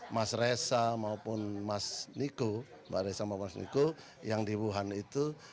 mas resa maupun mas niko mbak reza maupun mas niko yang di wuhan itu